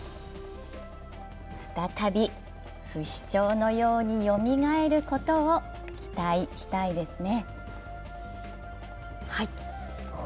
再び不死鳥のようによみがえることを期待したいですね。